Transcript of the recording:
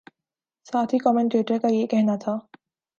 ساتھی کمنٹیٹر کا یہ کہنا تھا